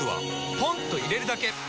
ポンと入れるだけ！